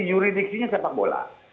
yuridiksinya sepak bola